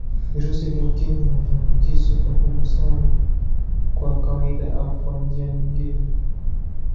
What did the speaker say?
Virusi vya Ukimwi haviambukizwi kwa kugusana kwa kawaida au kwa njia nyingine